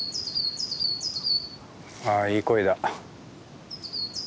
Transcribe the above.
あいい声だ。